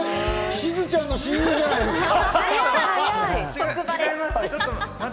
しずちゃんの親友じゃないですか。